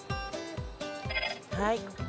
はい。